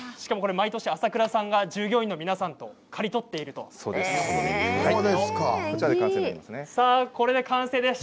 毎年朝倉さんが従業員の皆さんと刈り取っているものなんですよ。